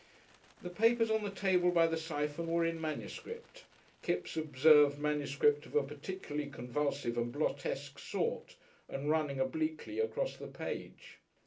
The papers on the table by the syphon were in manuscript. Kipps observed manuscript of a particularly convulsive and blottesque sort and running obliquely across the page.